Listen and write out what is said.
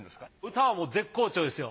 歌はもう絶好調ですよ。